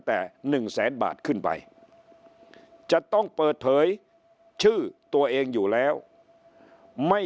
แต่๑แสนบาทขึ้นไปจะต้องเปิดเผยชื่อตัวเองอยู่แล้วไม่